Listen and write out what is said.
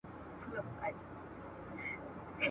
غوټۍ زمولیږي شبنم پر ژاړي !.